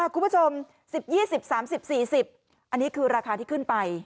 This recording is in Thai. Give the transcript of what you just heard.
คุณผู้ชม๑๐๒๐๓๐๔๐อันนี้คือราคาที่ขึ้นไป